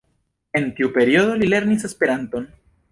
En tiu periodo li lernis Esperanton.